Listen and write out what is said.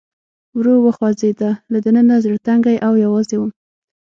ورو خوځېده، له دننه زړه تنګی او یوازې ووم.